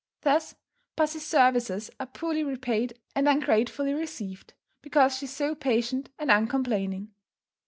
Thus, pussy's services are poorly repaid and ungratefully received, because she is so patient and uncomplaining.